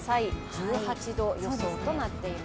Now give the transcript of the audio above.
１８度予想となっています。